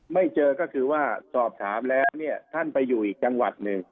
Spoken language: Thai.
ไม่เจอก็คือว่าสอบถามแล้วเนี่ยท่านไปอยู่อีกจังหวัดหนึ่ง